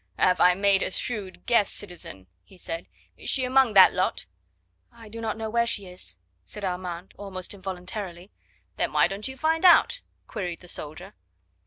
"Have I made a shrewd guess, citizen?" he said. "Is she among that lot?" "I do not know where she is," said Armand almost involuntarily. "Then why don't you find out?" queried the soldier.